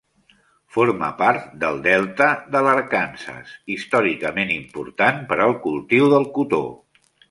Forma part del delta de l'Arkansas, històricament important per al cultiu del cotó.